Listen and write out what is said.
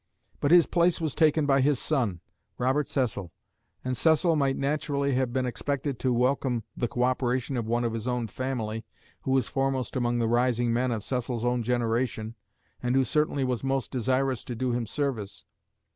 But his place was taken by his son, Robert Cecil; and Cecil might naturally have been expected to welcome the co operation of one of his own family who was foremost among the rising men of Cecil's own generation, and who certainly was most desirous to do him service.